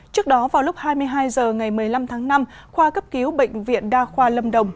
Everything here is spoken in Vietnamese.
trước đó vào lúc hai mươi hai h ngày một mươi năm tháng năm khoa cấp cứu bệnh viện đa khoa lâm đồng